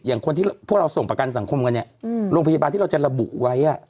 คนที่พวกเราส่งประกันสังคมกันเนี่ยโรงพยาบาลที่เราจะระบุไว้